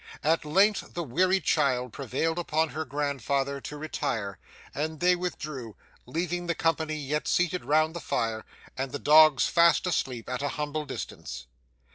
At length the weary child prevailed upon her grandfather to retire, and they withdrew, leaving the company yet seated round the fire, and the dogs fast asleep at a humble distance.